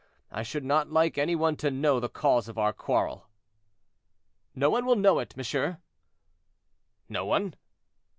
I should not like any one to know the cause of our quarrel." "No one will know it, monsieur." "No one?"